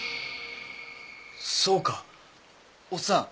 そうかおっさん！